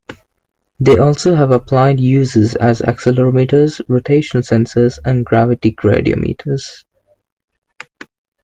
They also have applied uses as accelerometers, rotation sensors, and gravity gradiometers.